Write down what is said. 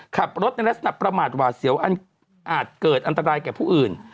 ขับรถในลักษณะประมาทหวาดเสียวอันอาจเกิดอันตรายแก่ผู้อื่น